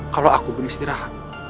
kalau aku beristirahat